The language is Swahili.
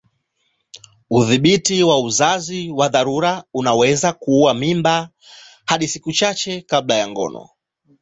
Udhibiti wa uzazi wa dharura unaweza kuua mimba hadi siku chache baada ya ngono.